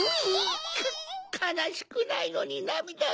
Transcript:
かなしくないのになみだが。